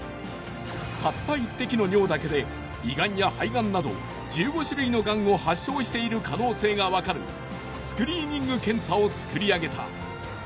たった１滴の尿だけで胃がんや肺がんなど１５種類のがんを発症している可能性がわかるスクリーニング検査を作り上げた。